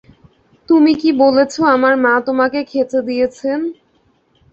তুমি কি বলেছো আমার মা তোমাকে খেচে দিয়েছেন?